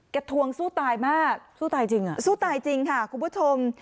ทวงสู้ตายมากสู้ตายจริงอ่ะสู้ตายจริงค่ะคุณผู้ชม